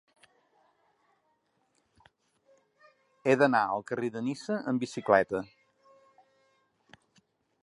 He d'anar al carrer de Niça amb bicicleta.